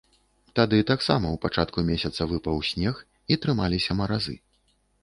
Тады таксама ў пачатку месяца выпаў снег, і трымаліся маразы.